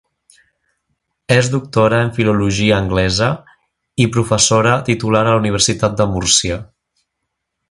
És doctora en Filologia Anglesa i professora titular a la Universitat de Múrcia.